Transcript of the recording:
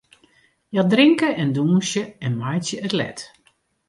Hja drinke en dûnsje en meitsje it let.